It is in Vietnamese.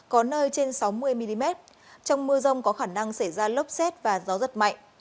có nơi trên sáu mươi mm trong mưa rông có khả năng xảy ra lốc xét và gió giật mạnh